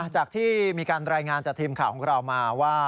จากที่มีการรายงานจากทีมข่าวของเรามาว่า